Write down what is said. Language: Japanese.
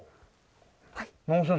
はい。